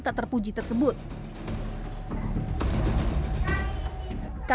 tak terpuji tersebut kasus tetangga menyiram air seni dan tinja ini mencuat ke permukaan usai viral